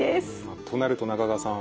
となると中川さん